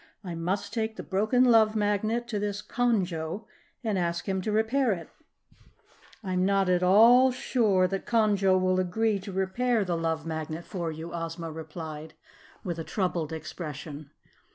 "I must take the broken Love Magnet to this Conjo and ask him to repair it." "I am not sure at all that Conjo will agree to repair the Love Magnet for you," Ozma replied with a troubled expression.